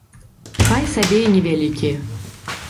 Хай сабе і невялікія.